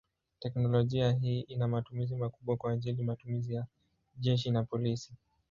Teknolojia hii ina matumizi makubwa kwa ajili matumizi ya jeshi na polisi.